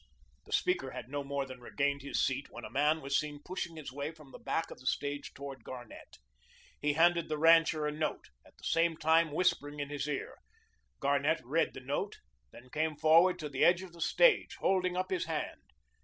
The speaker had no more than regained his seat when a man was seen pushing his way from the back of the stage towards Garnett. He handed the rancher a note, at the same time whispering in his ear. Garnett read the note, then came forward to the edge of the stage, holding up his hand.